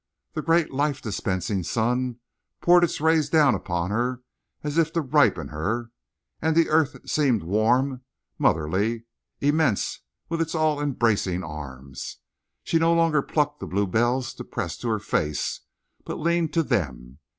The great life dispensing sun poured its rays down upon her, as if to ripen her; and the earth seemed warm, motherly, immense with its all embracing arms. She no longer plucked the bluebells to press to her face, but leaned to them.